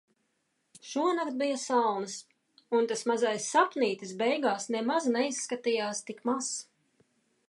Šonakt bija salnas. Un tas mazais sapnītis beigās nemaz neizskatījās tik mazs.